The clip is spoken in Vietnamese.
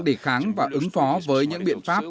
để kháng và ứng phó với những biện pháp